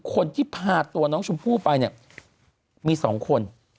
คนที่พาตัวน้องชมพู่ไปเนี่ยมี๒คน